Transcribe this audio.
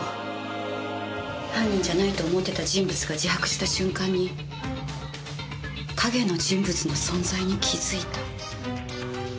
犯人じゃないと思ってた人物が自白した瞬間に「陰の人物」の存在に気づいた。